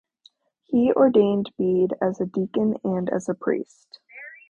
He ordained Bede as a deacon and as a priest.